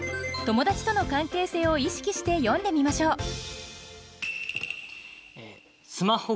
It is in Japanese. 友達との関係性を意識して詠んでみましょう。